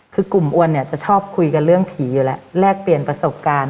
คือกลุ่มอ้วนเนี่ยจะชอบคุยกันเรื่องผีอยู่แล้วแลกเปลี่ยนประสบการณ์